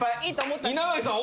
稲垣さん